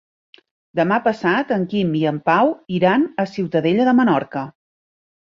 Demà passat en Quim i en Pau iran a Ciutadella de Menorca.